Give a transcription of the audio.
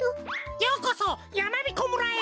ようこそやまびこ村へ。